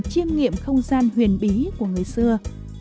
chiêm nghiệm không gian huyền bí của người xưa